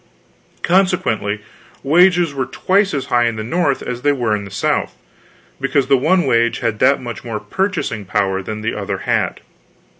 Consequently, wages were twice as high in the North as they were in the South, because the one wage had that much more purchasing power than the other had.